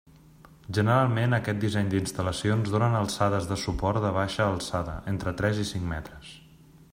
Generalment aquest disseny d'instal·lacions donen alçades de suport de baixa alçada, entre tres i cinc metres.